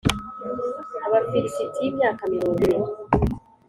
Abafilisitiya imyaka mirongo ine